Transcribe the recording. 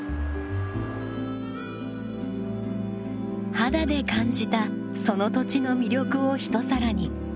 肌で感じたその土地の魅力を一皿に。